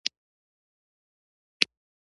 ځینې محصلین د نوي زده کړې لپاره هڅه کوي.